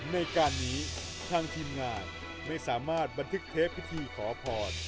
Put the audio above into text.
ในการนี้ทางทีมงานไม่สามารถบันทึกเทปพิธีขอพร